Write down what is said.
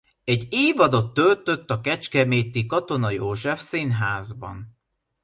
Egy évadot töltött a kecskeméti Katona József Színházban.